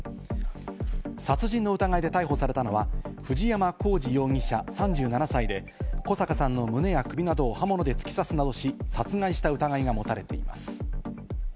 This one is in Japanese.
殺人の疑いで逮捕されたのは藤山功至容疑者、３７歳で小阪さんの胸や首などを刃物で突き刺すなどし、殺害した疑いが持たれています。